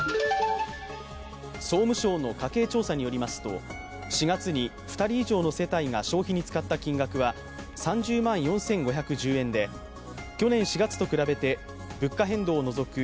総務省の家計調査によりますと、４月に２人以上の世帯が消費に使った金額は３０万４５１０円で物価変動を除く